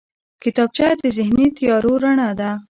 کتابچه د ذهني تیارو رڼا ده